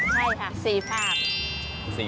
ใช่ค่ะ๔ภาพ